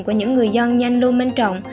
của những người dân như anh lưu minh trọng